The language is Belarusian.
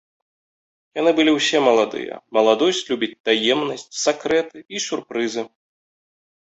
Яны былі ўсе маладыя, маладосць любіць таемнасць, сакрэты і сюрпрызы.